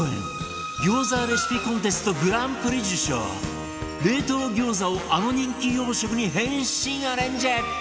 餃子レシピコンテストグランプリ受賞冷凍餃子をあの人気洋食に変身アレンジ！